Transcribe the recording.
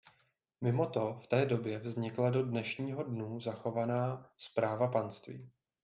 Mimo to v té době vznikla do dnešního dnů zachovaná správa panství.